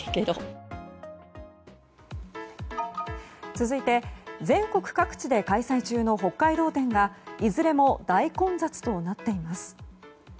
続いて、全国各地で開催中の北海道展がいずれも大混雑となっています。